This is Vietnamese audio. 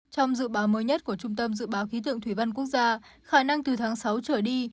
trong dự báo mới nhất của trung tâm dự báo khí tượng thủy văn quốc gia khả năng từ tháng sáu trở đi